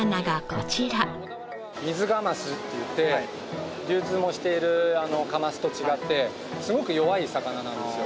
ミズカマスっていって流通もしているあのカマスと違ってすごく弱い魚なんですよ。